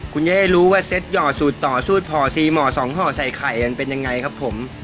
คุณจะได้รู้ว่าเซ็ตหย่อสูตรต่อสูตรห่อ๔ห่อ๒ห่อใส่ไข่มันเป็นยังไงครับผม